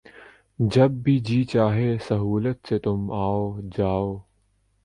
جب بھی جی چاہے سہولت سے تُم آؤ جاؤ